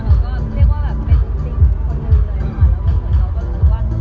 แจ้วก็ชอบเหมือนกันเข่าสุดเหมือนกันแต่ว่าเก็บปากราศ